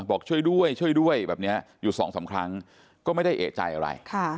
บอกช่วยด้วยช่วยด้วยแบบนี้อยู่สองสามครั้งก็ไม่ได้เอกใจอะไร